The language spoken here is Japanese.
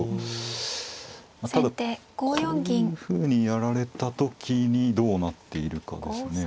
ただこういうふうにやられた時にどうなっているかですね。